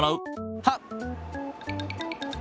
はっ！